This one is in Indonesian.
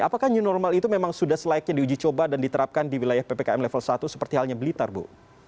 apakah new normal itu memang sudah selayaknya diuji coba dan diterapkan di wilayah ppkm level satu seperti halnya blitar bu